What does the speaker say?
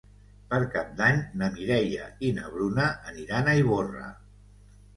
Per Cap d'Any na Mireia i na Bruna aniran a Ivorra.